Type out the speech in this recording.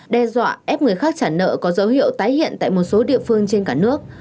đe dọa ép người khác trả nợ có dấu hiệu tái hiện tại một số địa phương trên cả nước